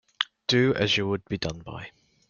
Do as you would be done by.